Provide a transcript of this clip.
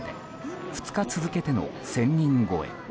２日続けての１０００人超え。